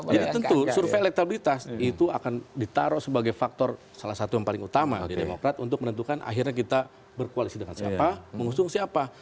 jadi tentu survei elektabilitas itu akan ditaruh sebagai faktor salah satu yang paling utama di demokrat untuk menentukan akhirnya kita berkoalisi dengan siapa mengusung siapa